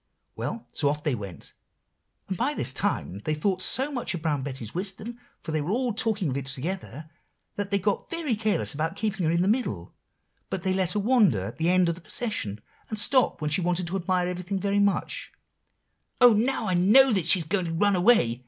Well, so off they went; and by this time they thought so much of Brown Betty's wisdom, for they were all talking of it together, that they got very careless about keeping her in the middle, but they let her wander at the end of the procession, and stop when she wanted to admire anything very much." [Illustration: Brown Betty and the ants.] "Oh, now I know that she is going to run away!"